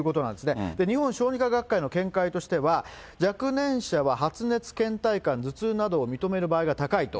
日本小児科学会の見解としては、若年者は発熱、けん怠感、頭痛などを認める場合が高いと。